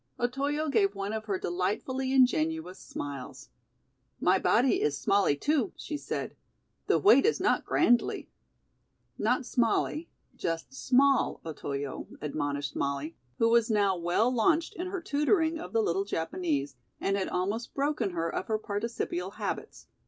Otoyo gave one of her delightfully ingenuous smiles. "My body is smally, too," she said. "The weight is not grandly." "Not smally; just small, Otoyo," admonished Molly, who was now well launched in her tutoring of the little Japanese, and had almost broken her of her participial habits.